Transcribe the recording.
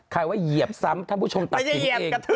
ใครว่าเหยียบซ้ำท่านผู้ชมตัดสินเอง